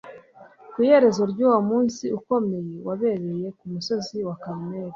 Ku iherezo ry'uwo munsi 'ukomeye wabereye ku musozi wa Karumeli,